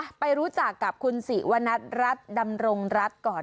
ปะไปรู้จักกับคุณศรีวณรัตน์วันฐรัฐดำรงรัฐก่อน